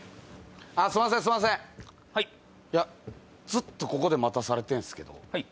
ずっとここで待たされてんすけど。